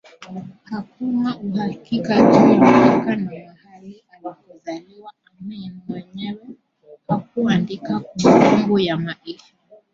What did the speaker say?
Hakuna uhakika juu ya mwaka na mahali alikozaliwa Amin mwenyewe hakuandika kumbukumbu ya maisha